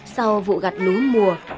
sau vụ gặt lú mùa